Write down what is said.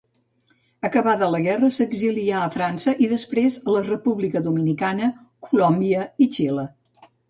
Acabada la guerra s'exilià a França i després a la República Dominicana, Colòmbia i Xile.